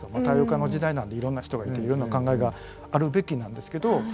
多様化の時代なんでいろんな人がいていろんな考えがあるべきなんですけど。